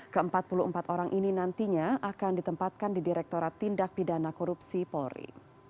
keempat puluh empat orang ini nantinya akan ditempatkan di direkturat tindak pidana korupsi polri